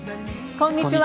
こんにちは。